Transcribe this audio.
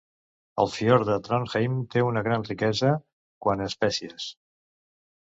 El fiord de Trondheim té una gran riquesa quant a espècies.